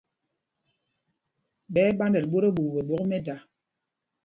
Ɓɛ́ ɛ́ ɓándɛl ɓot ɛɓuuɓu ɓɛ ɓwôk mɛ́da.